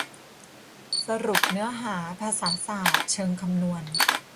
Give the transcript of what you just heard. สรุปเนื้อหา ภาษาศาสตร์เชิงคำนวณ